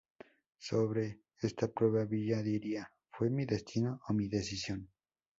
Sobre esta prueba Villa diría:¿Fue mi destino o mi decisión?